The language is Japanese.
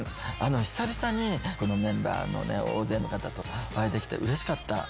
久々にこのメンバーの大勢の方とお会いできてうれしかった。